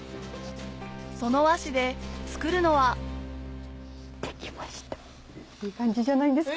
その和紙で作るのはできましたいい感じじゃないんですか？